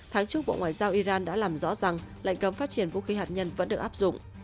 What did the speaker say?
tháng trước bộ ngoại giao iran đã làm rõ rằng lệnh cấm phát triển vũ khí hạt nhân vẫn được áp dụng